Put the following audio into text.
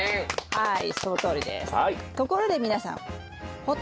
はい。